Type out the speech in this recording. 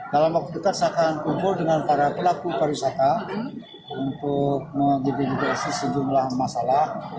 dalam waktu dekat saya akan kumpul dengan para pelaku pariwisata untuk mengidentifikasi sejumlah masalah